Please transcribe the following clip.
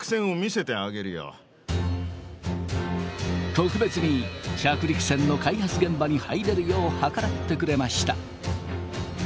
特別に着陸船の開発現場に入れるよう計らってくれました。